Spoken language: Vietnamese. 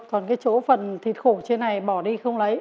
còn cái số phần thịt khổ trên này bỏ đi không lấy